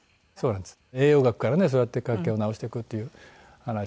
栄養学からねそうやって脚気を治していくっていう話で。